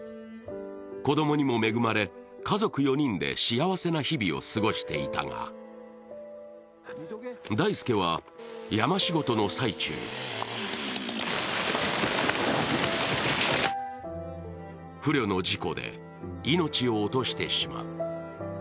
子どもにも恵まれ家族４人で幸せな日々を過ごしていたが大祐は、山仕事の最中に不慮の事故で命を落としてしまう。